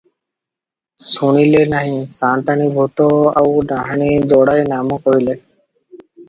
ଶୁଣିଲେ ନାହିଁ, ସାଆନ୍ତାଣୀ ଭୂତ ଆଉ ଡାହାଣୀ ଯୋଡାଏ ନାମ କହିଲେ ।"